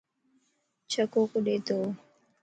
چھڪو ڪڏي تو؟